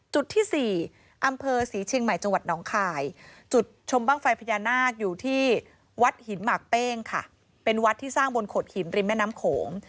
จุดที่๔อำเภอศรีเชียงใหม่จังหวัดน้องคายจุดชมบ้างไฟพญานาคอยู่ที่วัดหินหมากเป้งค่ะเป็นวัดที่สร้างบนโขดหินริมแม่น้ำโขง